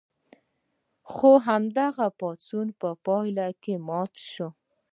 خو دغه پاڅون په پایله کې مات شو.